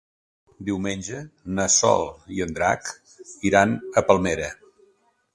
Diumenge na Sol i en Drac iran a Palmera.